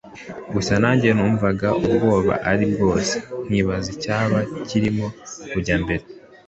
gusa nanjye numvaga ubwoba ari bwose, nkibaza icyaba kirimo kujya mbere